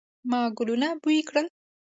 ما ګلونه بوی کړل